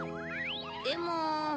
でも。